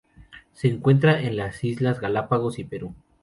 Se encuentran en las Islas Galápagos y Perú.